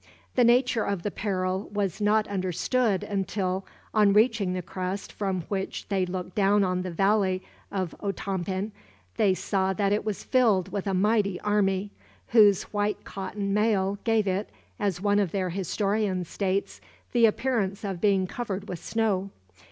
The nature of the peril was not understood until, on reaching the crest from which they looked down on the valley of Otompan, they saw that it was filled with a mighty army; whose white cotton mail gave it as one of their historians states the appearance of being covered with snow.